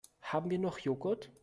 Haben wir noch Joghurt?